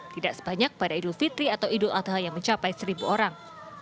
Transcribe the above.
tidak sebanyak pada idul fitri atau idul adha yang mencapai seribu orang